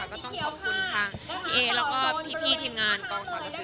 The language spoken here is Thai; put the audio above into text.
ก็ต้องขอบคุณทางพี่เอแล้วก็พี่ทีมงานกองสรหนังสือ